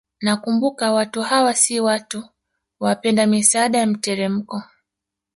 Nakumbuka watu hawa si watu wapenda misaada ya mteremko